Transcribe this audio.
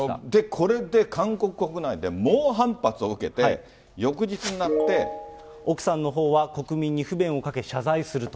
これで、韓国国内で猛反発を奥さんのほうは、国民に不便をかけ、謝罪すると。